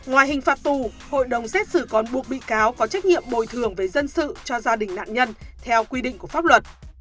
ngoài hình phạt tù hội đồng xét xử còn buộc bị cáo có trách nhiệm bồi thường về dân sự cho gia đình nạn nhân theo quy định của pháp luật